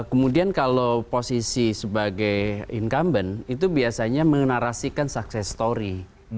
kemudian kalau posisi sebagai incumbent itu biasanya menarasikan sukses story